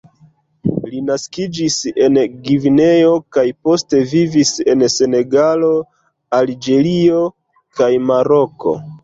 Li naskiĝis en Gvineo kaj poste vivis en Senegalo, Alĝerio kaj Maroko.